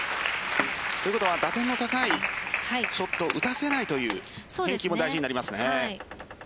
打点の高いショットを打たせないということも大事になりますね。